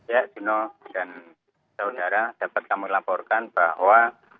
ya jurnal dan tau nara dapat kami laporkan bahwa